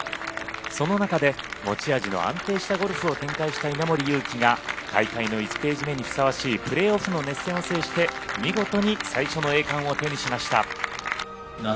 その中で、持ち味の安定したゴルフを展開した稲森佑貴が大会の１ページ目にふさわしいプレーオフの熱戦を制して見事に最初の栄冠を手にしました。